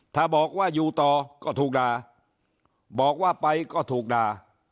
ถ้าบอกว่าอยู่ต่อก็ถูกด่าบอกว่าไปก็ถูกด่า